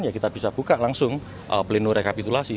ya kita bisa buka langsung pleno rekapitulasi